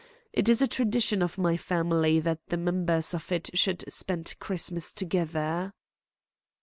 It is a tradition of my family that the members of it should spend Christmas together."